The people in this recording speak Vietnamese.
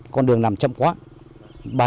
con đường nằm chậm quá